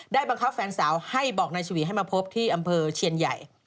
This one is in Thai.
บังคับแฟนสาวให้บอกนายฉวีให้มาพบที่อำเภอเชียนใหญ่